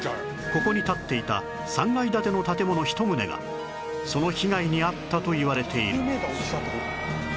ここに立っていた３階建ての建物１棟がその被害に遭ったといわれている